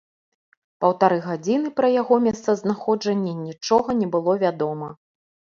Паўтары гадзіны пра яго месцазнаходжанне нічога не было вядома.